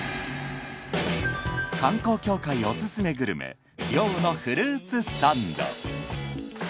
観光協会オススメグルメＲＹＯのフルーツサンド。